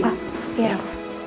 pak biar om